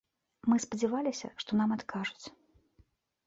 Мы спадзяваліся, што нам адкажуць.